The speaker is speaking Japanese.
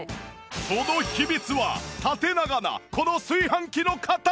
その秘密は縦長なこの炊飯器の形！